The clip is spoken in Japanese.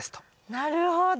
なるほど。